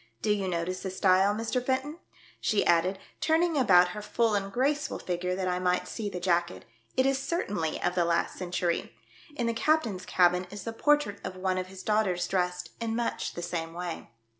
Do you notice the style, Mr. Fenton .''" she added, turning about her full and graceful figure that I might see the jacket, " it is certainly of the last century. In the captain's cabin is the portrait of one of his daughters dressed in much the same way.